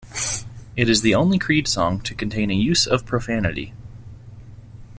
It is the only Creed song to contain a use of profanity.